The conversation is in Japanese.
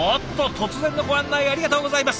突然のご案内ありがとうございます。